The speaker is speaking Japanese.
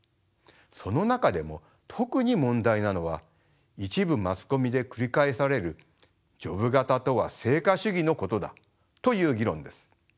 その中でも特に問題なのは一部マスコミで繰り返されるジョブ型とは成果主義のことだという議論です。